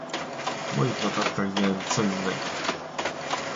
W moich notatkach miałem co innego